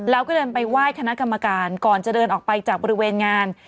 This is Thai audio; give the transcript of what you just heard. แล้วก็เดินไปไหว้คณะกรรมการก่อนจะเดินออกไปจากบริเวณงาน